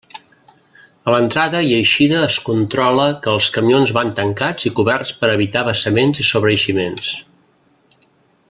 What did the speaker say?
A l'entrada i eixida es controla que els camions van tancats i coberts per a evitar vessaments i sobreeiximents.